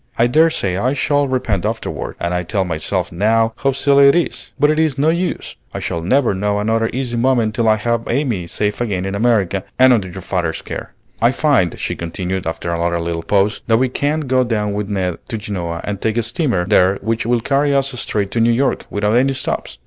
I dare say I shall repent afterward, and I tell myself now how silly it is; but it's no use, I shall never know another easy moment till I have Amy safe again in America and under your father's care." "I find," she continued after another little pause, "that we can go down with Ned to Genoa and take a steamer there which will carry us straight to New York without any stops.